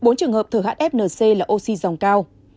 bốn trường hợp thở hfnc là oxy dòng cao